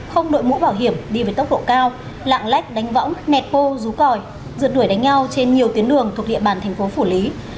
không đội mũ bảo hiểm đi với tốc độ cao lạng lách đánh võng nẹt bô rú còi rượt đuổi đánh nhau trên nhiều tuyến đường thuộc địa bàn thành phố phủ lý